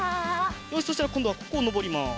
よしそしたらこんどはここをのぼります。